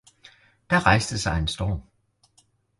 Da rejste sig en storm